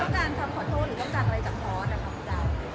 นายต้องการคำขอโทษหรือต้องการอะไรจำน้อย